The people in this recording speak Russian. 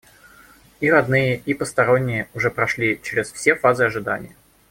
И родные и посторонние уже прошли чрез все фазы ожидания.